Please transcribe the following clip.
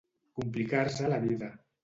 Complicar-se la vida.